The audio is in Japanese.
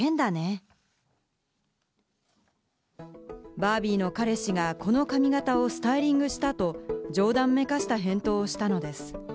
バービーの彼氏がこの髪形をスタイリングしたと、冗談めかした返答をしたのです。